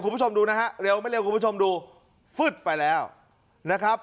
คุณผู้ชมดูนะฮะเร็วไม่เร็วคุณผู้ชมดูฟึดไปแล้วนะครับ